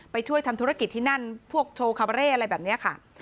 ไปช่วยทำธุรกิจที่นั่นพวกโชว์คาบาเร่อะไรแบบนี้ค่ะ